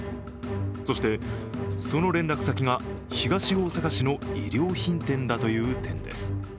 そして、その連絡先が東大阪市の衣料品店だという点です。